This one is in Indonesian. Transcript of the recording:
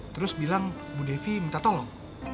terus bilang bu devi minta tolong